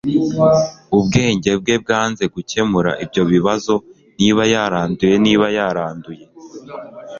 ubwenge bwe bwanze gukemura ibyo bibazo. niba yaranduye, niba yaranduye